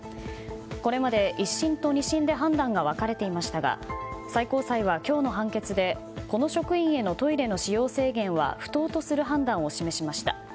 これまで１審と２審で判断が分かれていましたが最高裁は今日の判決でこの職員へのトイレの使用制限は不当とする判断を示しました。